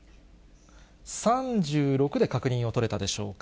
３６で確認取れたでしょうか。